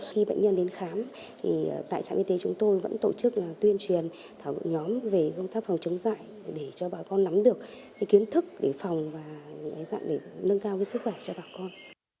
khi bệnh nhân đến khám tại trạm y tế chúng tôi vẫn tổ chức tuyên truyền thảo hội nhóm về công tác phòng chống dạy để cho bà con nắm được kiến thức để phòng và dạng để nâng cao sức khỏe cho bà con